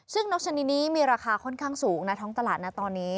ซึ่งนกชนิดนี้มีราคาค่อนข้างสูงนะท้องตลาดนะตอนนี้